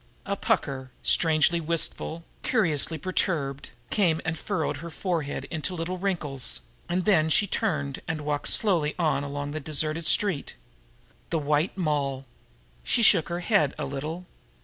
A pucker, strangely wistful, curiously perturbed, came and furrowed her forehead into little wrinkles, and then she turned and walked slowly on along the deserted street. The White Moll! She shook her head a little.